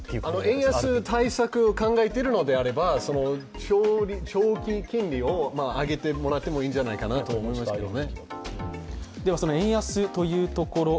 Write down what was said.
円安対策を考えてるのであれば、長期金利を上げてもらってもいいんじゃないかなと思いますけどね。